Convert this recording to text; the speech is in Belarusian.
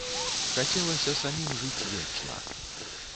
Хацелася самім жыць вечна.